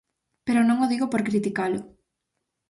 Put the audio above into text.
Pero non o digo por criticalo.